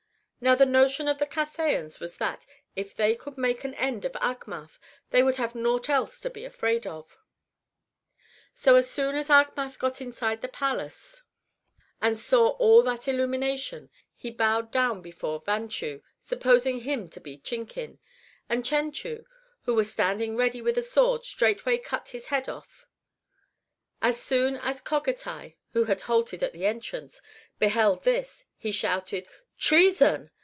Now the notion of the Cathayans was that, if they could make an end of Achmath, they would have nought else to be afraid of. So as soon as Achmath got inside the palace, and saw all that illumination, he bowed down before Vanchu, supposing him to be Chinkin, and Chenchu who was standing ready with a sword straightway cut his head off As soon as Cogatai, who had halted at the entrance, beheld this, he shouted " Treason